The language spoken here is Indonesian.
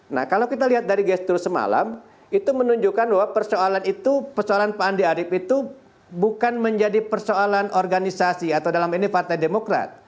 nah kalau kita lihat dari gestur semalam itu menunjukkan bahwa persoalan itu persoalan pak andi arief itu bukan menjadi persoalan organisasi atau dalam ini partai demokrat